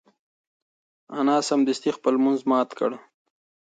انا سمدستي خپل لمونځ مات کړ.